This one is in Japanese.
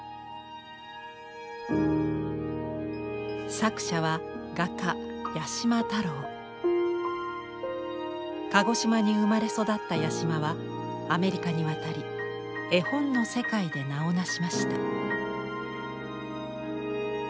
作者は鹿児島に生まれ育った八島はアメリカに渡り絵本の世界で名を成しました。